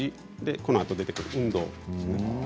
このあと出てくる、運動。